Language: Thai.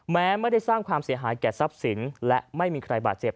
แม้ไม่ได้สร้างความเสียหายแก่ทรัพย์สินและไม่มีใครบาดเจ็บ